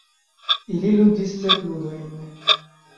Ili ludis sep ludojn.